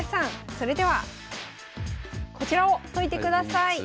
それではこちらを解いてください。